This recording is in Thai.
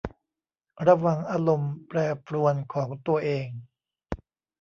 ระวังอารมณ์แปรปรวนของตัวเอง